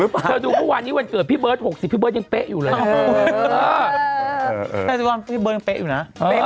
พี่เบิร์ธยังเป๊ะอยู่นะ